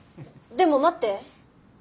でも待って。